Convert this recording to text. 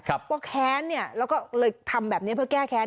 เพราะแค้นเนี่ยแล้วก็เลยทำแบบนี้เพื่อแก้แค้น